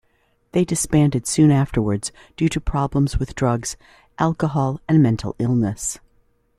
They disbanded soon afterwards due to problems with drugs, alcohol and mental illness.